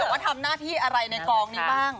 ว่าทำหน้าที่อะไรในกองนี้บ้าง